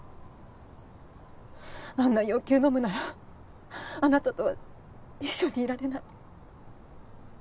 あんな要求のむならあなたとは一緒にいられない。